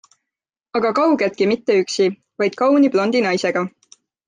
Aga kaugeltki mitte üksi, vaid kauni blondi naisega.